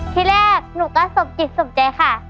ที่แรกหนูก็สมจิตสมใจค่ะ